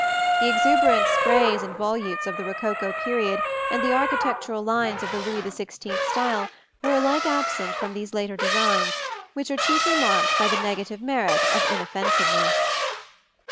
The exuberant sprays and volutes of the rococo period and the architectural lines of the Louis XVI style were alike absent from these later designs, which are chiefly marked by the negative merit of inoffensiveness.